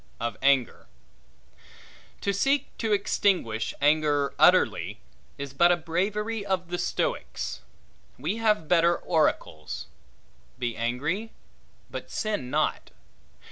Of Anger TO SEEK to extinguish anger utterly, is but a bravery of the Stoics. We have better oracles: Be angry, but sin not.